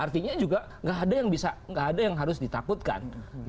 artinya juga nggak ada yang harus ditakutkan